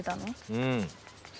うん。